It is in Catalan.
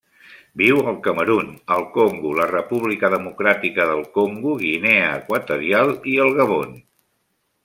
Viu al Camerun, el Congo, la República Democràtica del Congo, Guinea Equatorial i el Gabon.